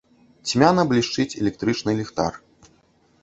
Цьмяна блішчыць электрычны ліхтар.